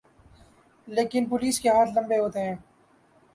لیکن پولیس کے ہاتھ لمبے ہوتے ہیں۔